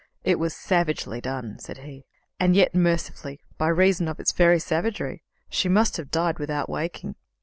"It was savagely done," said he, "and yet mercifully, by reason of its very savagery. She must have died without waking."